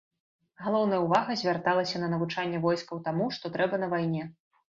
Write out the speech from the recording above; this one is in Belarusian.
Галоўная ўвага звярталася на навучанне войскаў таму, што трэба на вайне.